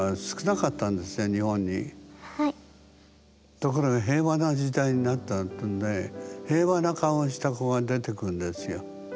ところが平和な時代になったっていうんで平和な顔をした子が出てくるんですよ。